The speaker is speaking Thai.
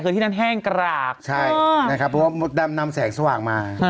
คือที่นั่นแห้งกรากใช่นะครับเพราะว่ามดดำนำแสงสว่างมา